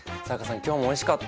今日もおいしかった！